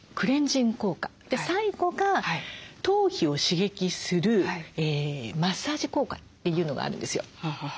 最後が頭皮を刺激するマッサージ効果というのがあるんですよ。